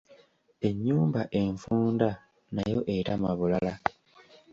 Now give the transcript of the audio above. Ennyumba enfunda nayo etama bulala!